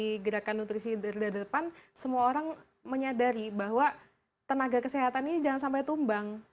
di gerakan nutrisi dari depan semua orang menyadari bahwa tenaga kesehatan ini jangan sampai tumbang